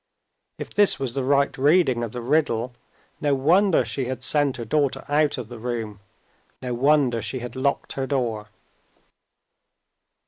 If this was the right reading of the riddle, no wonder she had sent her daughter out of the room no wonder she had locked her door!